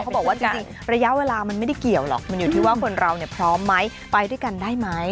บอกว่าจริงระยะเวลามันไม่ได้เกี่ยวหรอกมันอยู่ที่ว่าคนเราเนี่ยพร้อมไหมไปด้วยกันได้ไหม